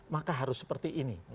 maka harus seperti ini